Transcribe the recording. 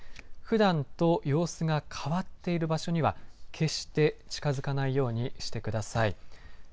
ふだんと様子が変わっている場所には決して近づかないようにしてください。